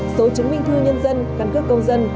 số chứng minh thư nhân dân căn cước công dân